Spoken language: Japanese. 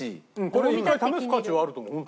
これ１回試す価値はあると思う。